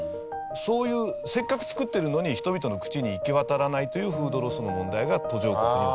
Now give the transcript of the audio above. そういうせっかく作ってるのに人々の口に行き渡らないというフードロスの問題が途上国の。